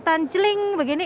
kelihatan celing begini